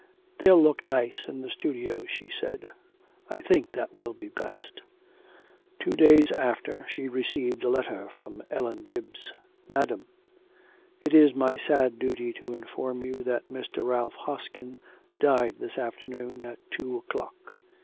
'They'll look nice in the studio,' she said, 'I think that will be best.' Two days after she received a letter from Ellen Gibbs. 'MADAM, It is my sad duty to inform you that Mr. Ralph Hoskin died this afternoon at two o'clock.